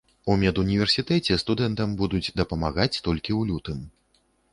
У медуніверсітэце студэнтам будуць дапамагаць толькі ў лютым.